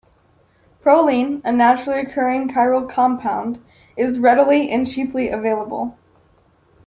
Proline, a naturally occurring chiral compound, is readily and cheaply available.